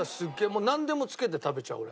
もうなんでもつけて食べちゃう俺。